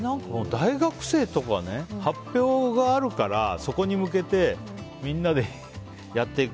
大学生とか、発表があるからそこに向けてみんなでやっていく。